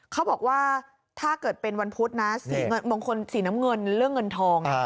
เขาบอกว่าถ้าเกิดเป็นวันพุธนะบางคนสีน้ำเงินเรื่องเงินทอง